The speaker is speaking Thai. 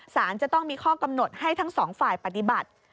สารจะต้องมีข้อกำหนดให้ทั้งสองฝ่ายปฏิบัติ